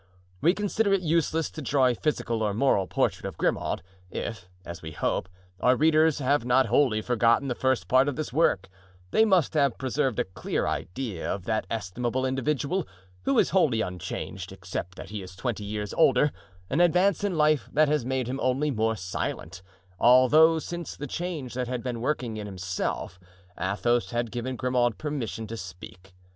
We consider it useless to draw a physical or moral portrait of Grimaud; if, as we hope, our readers have not wholly forgotten the first part of this work, they must have preserved a clear idea of that estimable individual, who is wholly unchanged, except that he is twenty years older, an advance in life that has made him only more silent; although, since the change that had been working in himself, Athos had given Grimaud permission to speak.